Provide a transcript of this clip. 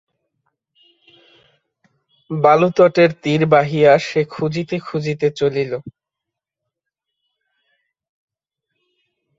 বালুতটের তীর বাহিয়া সে খুঁজিতে খুঁজিতে চলিল।